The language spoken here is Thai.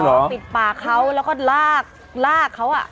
ติดป่าเขาและก็ลากเขาอ่ะ